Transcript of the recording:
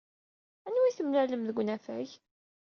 Anwa ay d-temlalemt deg unafag?